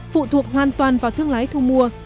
phụ thuộc hoàn toàn vào thương lái thu mua